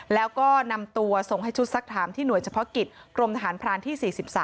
แล้วก็นำตัวส่งให้ชุดสักถามที่หน่วยเฉพาะกิจกรมทหารพรานที่๔๓